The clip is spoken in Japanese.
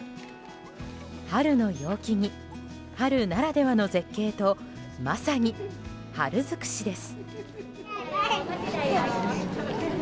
春の陽気に春ならではの絶景とまさに春尽くしです。